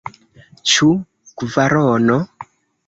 Ĉu kvarono?